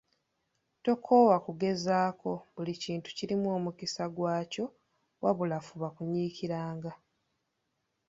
Tokoowa kugezaako, buli kintu kirimu omukisa gwakyo wabula fuba kunyiikiranga.